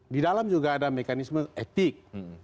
di dalam juga ada mekanisme etik